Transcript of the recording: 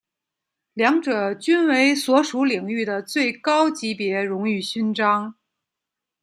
两者均为所属领域的最高级别荣誉勋章。